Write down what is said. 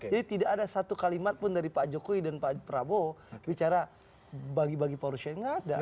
jadi tidak ada satu kalimat pun dari pak jokowi dan pak prabowo bicara bagi bagi porosnya tidak ada